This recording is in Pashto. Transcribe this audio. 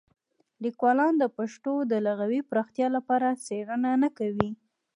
لیکوالان د پښتو د لغوي پراختیا لپاره څېړنې نه کوي.